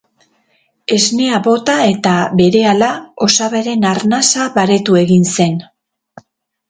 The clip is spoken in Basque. Esnea bota eta berehala, osabaren arnasa baretu egin zen.